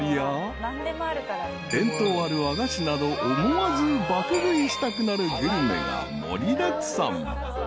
［伝統ある和菓子など思わず爆食いしたくなるグルメが盛りだくさん］